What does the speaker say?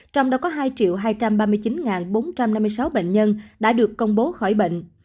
trong đó có hai hai trăm ba mươi chín bốn trăm năm mươi sáu bệnh nhân đã được công bố khỏi bệnh